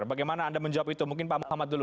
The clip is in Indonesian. bagaimana anda menjawab itu mungkin pak muhammad dulu